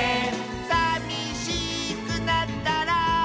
「さみしくなったら」